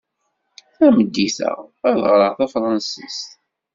Tameddit-a, ad ɣreɣ tafṛensist.